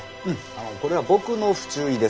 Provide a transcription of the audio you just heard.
あのこれは僕の不注意です。